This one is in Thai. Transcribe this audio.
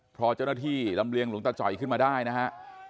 พอเจ้าหน้าที่ลำเลียงหลวงตาจ่อยขึ้นมาได้นะฮะ